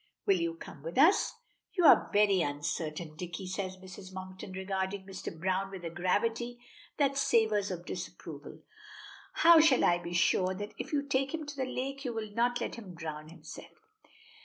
Will you come with us?" "You are very uncertain, Dicky," says Mrs. Monkton, regarding Mr. Browne with a gravity that savors of disapproval. "How shall I be sure that if you take him to the lake you will not let him drown himself?"